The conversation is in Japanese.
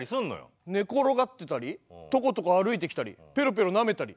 寝転がってたりトコトコ歩いてきたりペロペロなめたり。